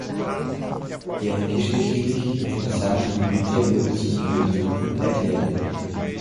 Erdgeschichtlich interessante Gebiete wurden zu Geotopen erklärt.